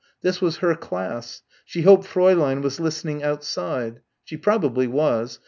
This was her class. She hoped Fräulein was listening outside. She probably was.